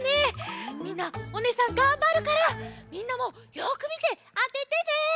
みんなおねえさんがんばるからみんなもよくみてあててね！